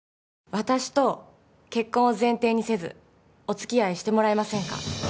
私と結婚を前提にせずお付き合いしてもらえませんか？